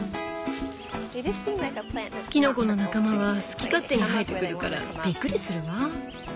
キノコの仲間は好き勝手に生えてくるからびっくりするわ。